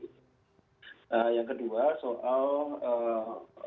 mengembalikan ini saya kira yang paling penting